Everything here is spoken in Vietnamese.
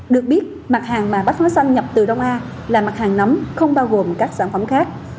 được biết mặt hàng mà bát hóa xanh nhập từ đông a là mặt hàng nấm không bao gồm các sản phẩm khác